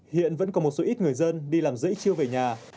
hiện vẫn còn một số ít người dân đi làm dễ chiêu về nhà